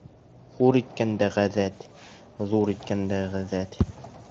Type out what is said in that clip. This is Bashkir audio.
Хур иткән дә ғәҙәт, ҙур иткән дә ғәҙәт.